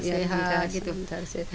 iya iya lancar sehat